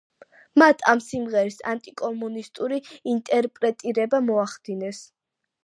მათ ამ სიმღერის ანტიკომუნისტური ინტერპრეტირება მოახდინეს.